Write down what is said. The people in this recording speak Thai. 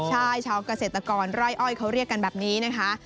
ใช่ชาวเกษตรกรไร่อ้อยเขาเรียกกันแบบนี้นะคะ